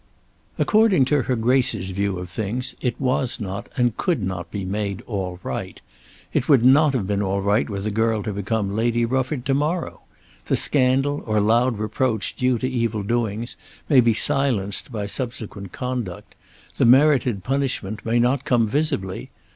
According to her Grace's view of things it was not and could not be made "all right." It would not have been all right were the girl to become Lady Rufford to morrow. The scandal, or loud reproach due to evil doings, may be silenced by subsequent conduct. The merited punishment may not come visibly.